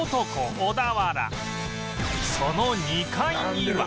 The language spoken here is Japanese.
その２階には